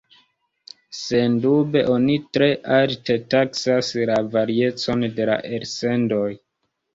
Sendube oni tre alte taksas la variecon de la elsendoj.